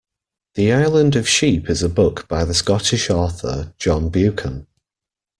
The Island of Sheep is a book by the Scottish author John Buchan